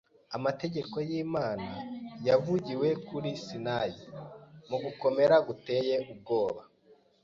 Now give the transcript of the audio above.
Amategeko y’Imana, yavugiwe kuri Sinayi mu gukomera guteye ubwoba,